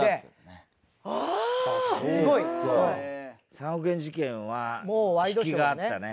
３億円事件は引きがあったね。